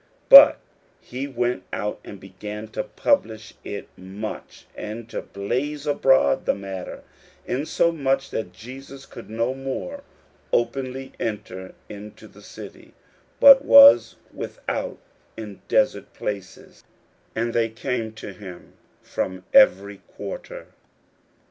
41:001:045 But he went out, and began to publish it much, and to blaze abroad the matter, insomuch that Jesus could no more openly enter into the city, but was without in desert places: and they came to him from every quarter.